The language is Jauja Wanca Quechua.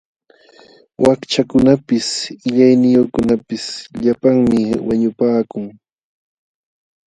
Wakchakunapis qillayniyuqkunapis llapanmi wañupakun.